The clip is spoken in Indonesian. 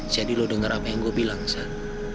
jadi lo denger apa yang gue bilang san